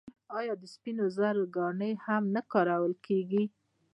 آیا د سپینو زرو ګاڼې هم نه کارول کیږي؟